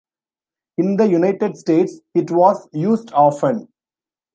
In the United States it was used often.